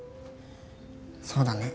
そうだね。